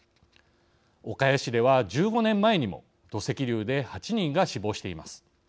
岡谷市では１５年前にも土石流で８人が死亡しています。